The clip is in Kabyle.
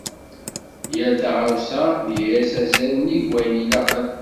Yal taɣawsa nga-as azal nnig wayen ilaqen.